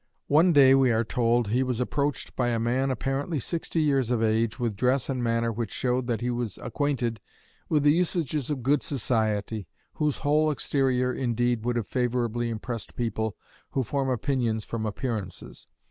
One day, we are told, "he was approached by a man apparently sixty years of age, with dress and manner which showed that he was acquainted with the usages of good society, whose whole exterior, indeed, would have favorably impressed people who form opinions from appearances.